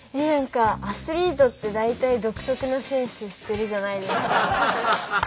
何かアスリートって大体独特なセンスしてるじゃないですか。